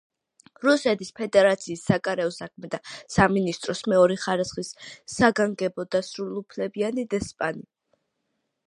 რუსეთის ფედერაციის საგარეო საქმეთა სამინისტროს მეორე ხარისხის საგანგებო და სრულუფლებიანი დესპანი.